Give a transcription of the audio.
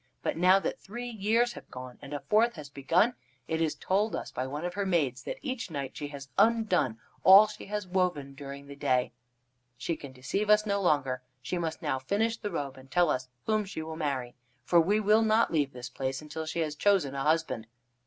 But now that three years have gone and a fourth has begun, it is told us by one of her maids that each night she has undone all she has woven during the day. She can deceive us no longer. She must now finish the robe, and tell us whom she will marry. For we will not leave this place until she has chosen a husband."